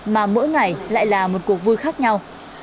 mà mỗi ngày lại là một cuộc vui khác nhau